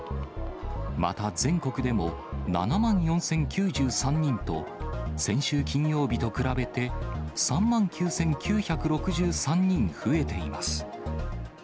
また全国でも、７万４０９３人と、先週金曜日と比べて３万９９６３人増えています。